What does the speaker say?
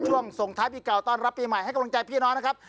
ส่งท้ายปีเก่าต้อนรับปีใหม่ให้กำลังใจพี่น้องนะครับ